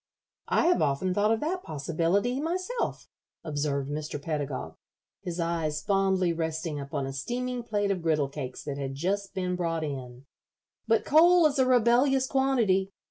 "I have often thought of that possibility myself," observed Mr. Pedagog, his eyes fondly resting upon a steaming plate of griddle cakes that had just been brought in. "But coal is a rebellious quantity.